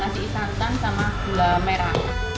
santan sama gula merah